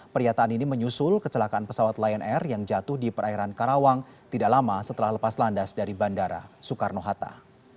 pernyataan ini menyusul kecelakaan pesawat lion air yang jatuh di perairan karawang tidak lama setelah lepas landas dari bandara soekarno hatta